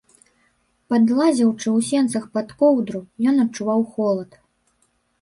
Падлазячы ў сенцах пад коўдру, ён адчуваў холад.